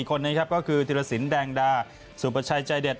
คนนี้ครับก็คือธิรสินแดงดาสุประชัยใจเด็ด